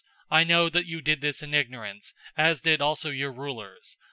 "}, I know that you did this in ignorance, as did also your rulers.